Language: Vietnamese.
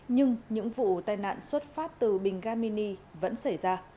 nhưng những vụ tai nạn xuất phát từ bình garmini vẫn xảy ra